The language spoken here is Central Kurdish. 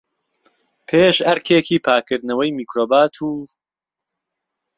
پێش ئەرکێکی پاکردنەوەی میکرۆبات، و